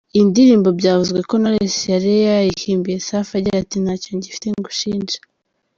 Iyi ndirimbo byavuzwe ko Knowless yari yayihimbiye “Safi” agira ati: “Ntacyo ngifite ngushinja…”.